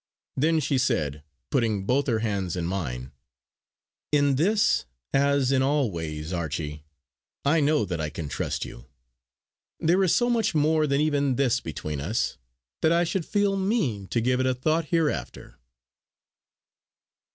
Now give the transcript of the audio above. Then she said, putting both her hands in mine: "In this, as in all ways, Archie, I know that I can trust you. There is so much more than even this between us, that I should feel mean to give it a thought hereafter!"